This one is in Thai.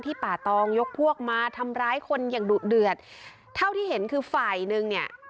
ป่าตองยกพวกมาทำร้ายคนอย่างดุเดือดเท่าที่เห็นคือฝ่ายหนึ่งเนี่ย